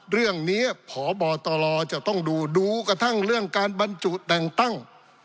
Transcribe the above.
เรื่องนี้พบตรจะต้องดูดูกระทั่งเรื่องการบรรจุแต่งตั้ง